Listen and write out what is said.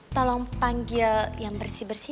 tolong panggil yang bersih bersih